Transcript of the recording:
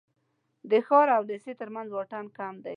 د ښار او لېسې تر منځ واټن کم دی.